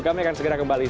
kami akan segera kembali